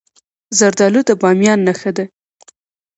زردالو د بامیان نښه ده.